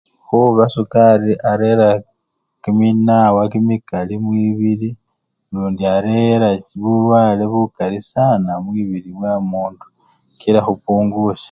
Khuba sukali arera kiminawa kimikali mwibili lundi arera bulwale bukali sana mwibili mwo mundu, kila hupungusha